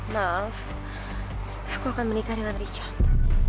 maaf aku akan menikah dengan richard